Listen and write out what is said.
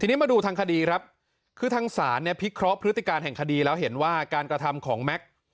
ทีนี้มาดูทางคดีครับคือทางศาลเนี่ยพิเคราะห์พฤติการแห่งคดีแล้วเห็นว่าการกระทำของแม็กซ์